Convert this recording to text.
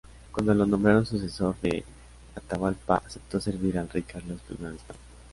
Cuando lo nombraron sucesor de Atahualpa aceptó servir al rey Carlos I de España.